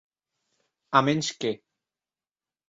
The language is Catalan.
A menys que.